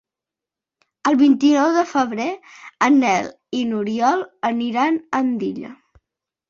El vint-i-nou de febrer en Nel i n'Oriol aniran a Andilla.